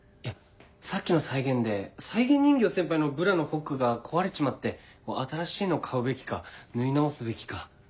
さっきの再現で再現人形先輩のブラのホックが壊れちまって新しいの買うべきか縫い直すべきか。